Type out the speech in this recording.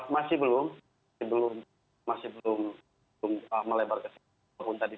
masih belum masih belum melebar ke sekolah